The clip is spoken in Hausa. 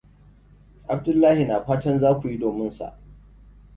Abdullahi na fatan za ku yi domin sa.